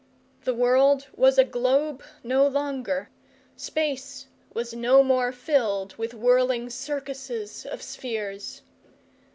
The world was a globe no longer, space was no more filled with whirling circuses of spheres.